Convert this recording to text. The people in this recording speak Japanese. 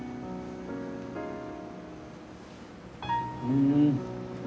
うん。